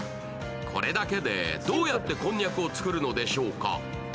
これだけで、どうやってこんにゃくを作るのでしょうか。